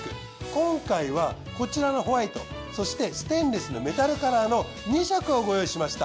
今回はこちらのホワイトそしてステンレスのメタルカラーの２色をご用意しました。